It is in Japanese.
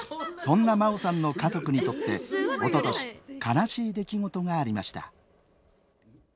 そんな真桜さんの家族にとって、おととし悲しい出来事がありました。